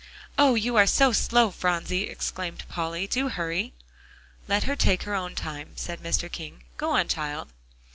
"Oh! you are so slow, Phronsie," exclaimed Polly, "do hurry." "Let her take her own time," said Mr. King, "go on, child."